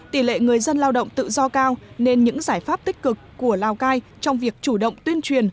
tỷ lệ người dân lao động tự do cao nên những giải pháp tích cực của lào cai trong việc chủ động tuyên truyền